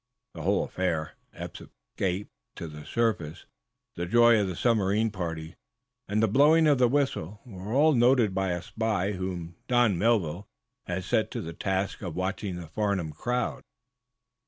The whole affair Eph's escape to the surface, the joy of the submarine, party and the blowing of the whistle, were all noted by a spy whom Don Melville had set to the task of watching the Farnum crowd.